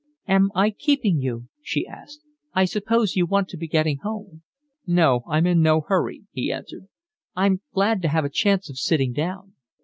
"Am I keeping you?" she asked. "I suppose you want to be getting home." "No, I'm in no hurry," he answered. "I'm glad to have a chance of sitting down."